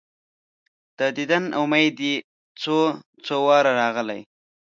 د دیدن امید دي څو، څو واره راغلی